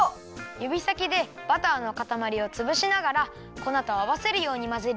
ゆびさきでバターのかたまりをつぶしながらこなとあわせるようにまぜるよ。